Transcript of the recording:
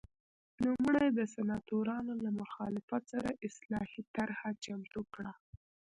نوموړي د سناتورانو له مخالفت سره اصلاحي طرحه چمتو کړه